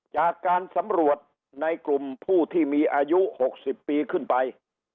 จากการสำรวจในกลุ่มผู้ที่มีอายุ๖๐ปีขึ้นไป